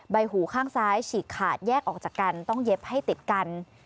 ใบหูข้างซ้ายฉีกขาดแยกออกจากกันต้องเย็บให้ติดกัน